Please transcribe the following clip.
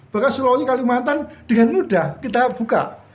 maka sulawesi kalimantan dengan mudah kita buka